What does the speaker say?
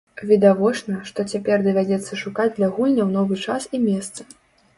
Відавочна, што цяпер давядзецца шукаць для гульняў новы час і месца.